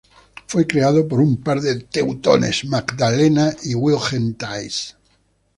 Fue creado por un par de teutones Magdalena y Wilhelm Thais.